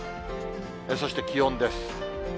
そして気温です。